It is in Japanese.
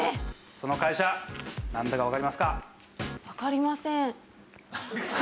その会社なんだかわかりますか？